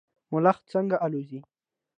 ملخ څنګه الوځي؟